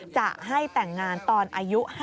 จะให้แต่งงานตอนอายุ๕ขวบค่ะ